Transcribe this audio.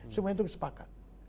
semuanya itu kesepakatan